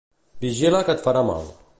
Vigila que et farà mal.